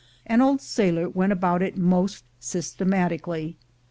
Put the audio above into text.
An old sailor went about it most sys tematically.